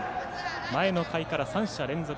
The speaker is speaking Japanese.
前の回から３者連続。